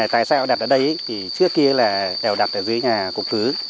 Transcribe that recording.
tại sao đặt ở đây thì trước kia là đều đặt ở dưới nhà cũng cứ